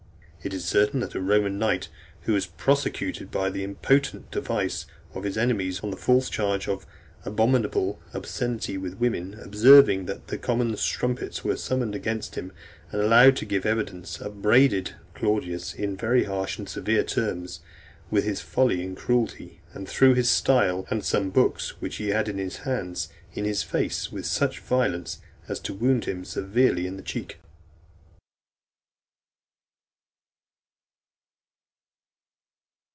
It is certain that a Roman knight, who was prosecuted by an impotent device of his enemies on a false charge of abominable obscenity with women, observing that common strumpets were summoned against him and allowed to give evidence, upbraided Claudius in very harsh and severe terms with his folly and cruelty, and threw his style, and some books which he had in his hands, in his face, with such violence as to wound him severely in the cheek.